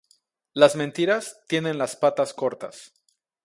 Las mentiras tienen las patas cortas.